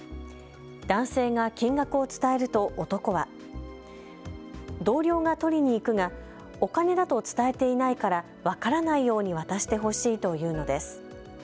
男性が金額を伝えると男は同僚が取りに行くがお金だと伝えていないから分からないように渡してほしいと言うのです。